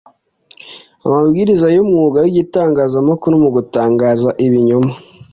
amabwiriza y’umwuga w’itangazamakuru mu gutangaza ibinyoma